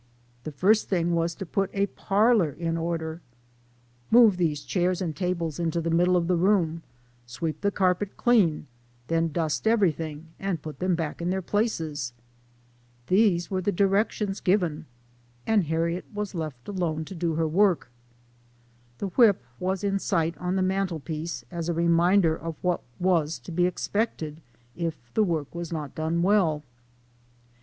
The first thing was to put a parlor in order. " Move these chairs and tables into the middle of the room, sweep the carpet clean, then dust everything, and put them back in their places !" These were the directions given, and Harriet was left alone to do hor work. LIFE OF HARRIET TUBMAN. 11 The whip was in sight on. the mantel piece, as a reminder of what was to be expected if the work was not done well.